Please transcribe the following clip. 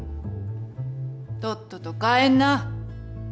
とっとと帰んな。